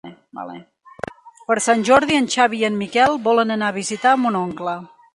Per Sant Jordi en Xavi i en Miquel volen anar a visitar mon oncle.